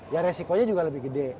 ya resikonya juga lebih gede